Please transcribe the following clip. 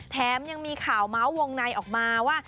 แถมยังมีข่าวเมาส์วงในออกมาว่า